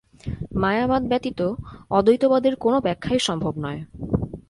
মায়াবাদ ব্যতীত অদ্বৈতবাদের কোন ব্যাখ্যাই সম্ভব নয়।